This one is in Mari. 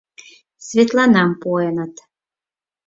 Светланам пуэныт.